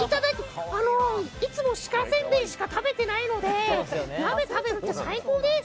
いつもシカせんべいしか食べてないので鍋食べるって最高です！